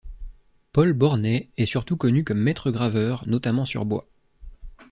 Paul Bornet est surtout connu comme maître-graveur, notamment sur bois.